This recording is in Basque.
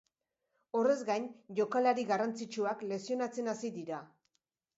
Horrez gain, jokalari garrantzitsuak lesionatzen hasi dira.